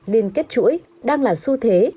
liên kết chuỗi đang là xu thế